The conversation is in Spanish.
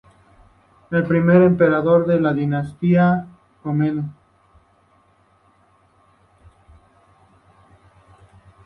Fue el primer emperador de la dinastía Comneno.